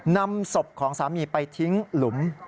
นำศพของสามีไปทิ้งหลุม